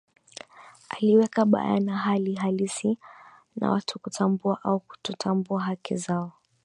aliweka bayana hali halisi ya watu kutambua au kutotambua haki zao